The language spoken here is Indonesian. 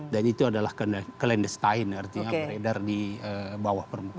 dan itu adalah klendestain artinya beredar di bawah permukaan